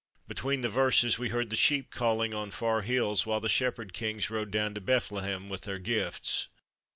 Between the verses we heard the sheep calling on far hills while the shepherd kings rode down to Bethlehem with their gifts.